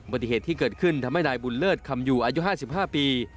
ปฏิเหตุที่เกิดขึ้นทำให้นายบุญเลิศคำอยู่อายุ๕๕ปี